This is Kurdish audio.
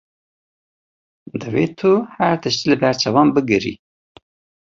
Divê tu her tiştî li ber çavan bigire.